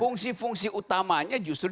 fungsi fungsi utamanya justru